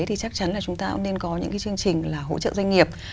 thì chắc chắn là chúng ta cũng nên có những cái chương trình là hỗ trợ doanh nghiệp